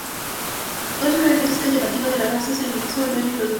Otra característica llamativa de la raza es el anexo al dueño y los niños.